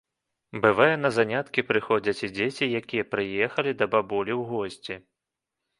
Бывае, на заняткі прыходзяць і дзеці, якія прыехалі да бабуль у госці.